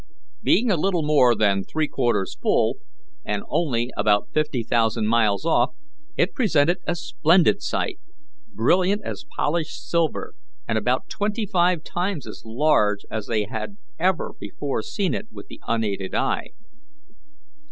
Being a little more than three quarters full, and only about fifty thousand miles off, it presented a splendid sight, brilliant as polished silver, and about twenty five times as large as they had ever before seen it with the unaided eye.